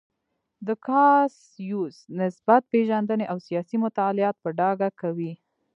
د کاسیوس نسب پېژندنې او سیاسي مطالعات په ډاګه کوي.